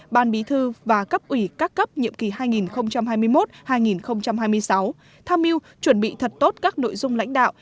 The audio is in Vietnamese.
ban bí thư và cấp ủy các cấp nhiệm kỳ hai nghìn hai mươi một hai nghìn hai mươi sáu tham mưu chuẩn bị thật tốt các nội dung lãnh đạo